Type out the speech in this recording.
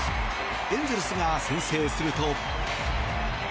エンゼルスが先制すると。